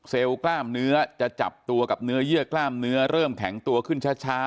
กล้ามเนื้อจะจับตัวกับเนื้อเยื่อกล้ามเนื้อเริ่มแข็งตัวขึ้นช้า